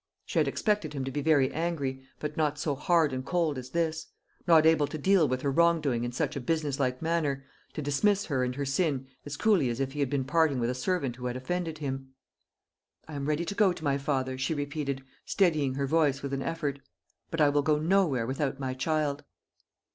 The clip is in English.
She had expected him to be very angry, but not so hard and cold as this not able to deal with her wrong doing in such a business like manner, to dismiss her and her sin as coolly as if he had been parting with a servant who had offended him. "I am ready to go to my father," she repeated, steadying her voice with an effort; "but I will go nowhere without my child."